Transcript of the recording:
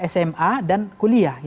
sma dan kuliah